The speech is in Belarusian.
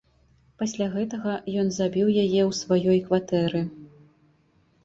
Пасля гэтага ён забіў яе ў сваёй кватэры.